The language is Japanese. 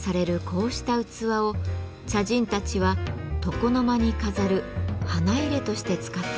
こうした器を茶人たちは床の間に飾る花入として使ったのです。